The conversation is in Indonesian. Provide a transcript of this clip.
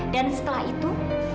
dan setelah itu